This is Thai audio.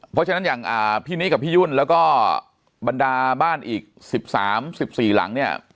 เพราะฉะนั้นอย่างพี่นิกับพี่ยุ่นแล้วก็บรรดาบ้านอีก๑๓๑๔หลังเนี่ย